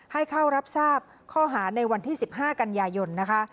ให้เข้ารับทราบข้อหาในวันที่๑๕กันยายนนะคะ